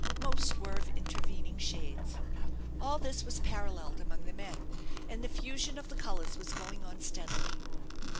Most were of intervening shades. All this was paralleled among the men; and the fusion of the colors was going on steadily.